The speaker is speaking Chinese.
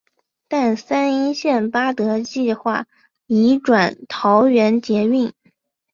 但三莺线八德计画移转桃园捷运。